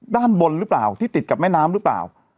ด้านบนหรือเปล่าที่ติดกับแม่น้ำหรือเปล่า